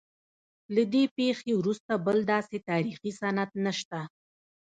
له دې پیښې وروسته بل داسې تاریخي سند نشته.